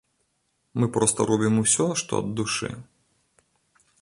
Мы проста робім усё, што ад душы.